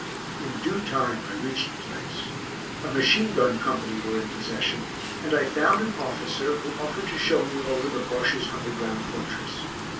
In due time I reached the place. A machine gun company were in possession, and I found an officer, who offered to show me over the Bosche's underground fortress.